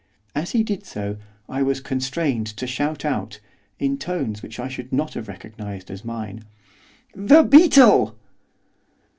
As he did so I was constrained to shout out, in tones which I should not have recognised as mine, 'THE BEETLE!